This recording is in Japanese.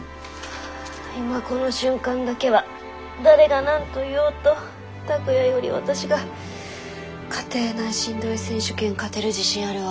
今この瞬間だけは誰が何と言おうと拓哉より私が家庭内しんどい選手権勝てる自信あるわ。